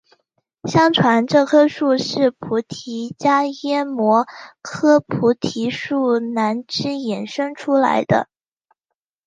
相传这棵树是菩提伽耶摩诃菩提树南枝衍生出来的。